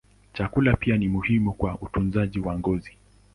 Chakula pia ni muhimu kwa utunzaji wa ngozi.